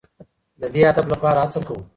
د دې هدف لپاره هڅه کوو.